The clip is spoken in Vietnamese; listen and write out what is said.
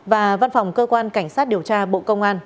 và văn phòng cơ quan cảnh sát điều tra bộ công an